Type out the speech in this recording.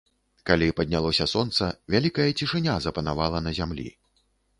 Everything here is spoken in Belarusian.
Калі паднялося сонца, вялікая цішыня запанавала на зямлі.